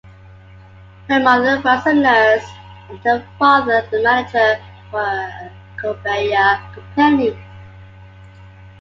Her mother was a nurse, and her father a manager for a conveyor company.